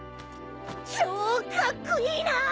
超カッコいいな！